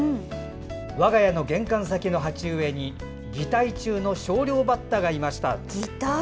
我が家の玄関先の鉢植えに擬態中のショウリョウバッタがいました。